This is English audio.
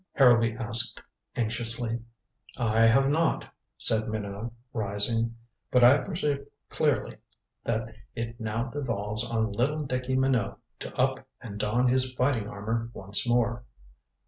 Harrowby asked anxiously. "I have not," said Minot, rising. "But I perceive clearly that it now devolves on little Dicky Minot to up and don his fighting armor once more."